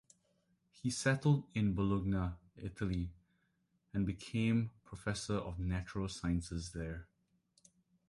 He settled in Bologna, Italy, and became professor of natural sciences there.